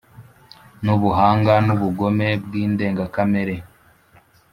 n'ubuhanga n'ubugome bw'indengakamere.